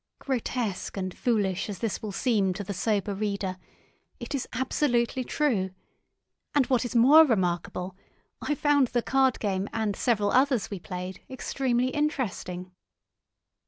Grotesque and foolish as this will seem to the sober reader, it is absolutely true, and what is more remarkable, I found the card game and several others we played extremely interesting.